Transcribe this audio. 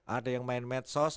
ada yang main medsos